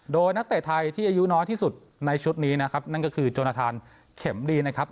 โดยนักเตะไทยที่อายุน้อยที่สุดในชุดนี้นะครับนั่นก็คือจนทานเข็มลีนะครับ